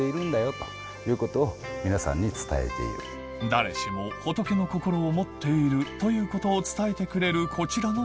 誰しも仏の心を持っているということを伝えてくれるこちらの